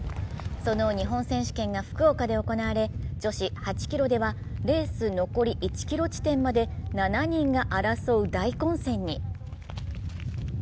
その日本選手権が福岡で行われ女子８ｋｍではレース残り１ｋｍ地点まで７人が争う大混戦に。